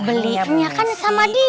belinya kan sama dia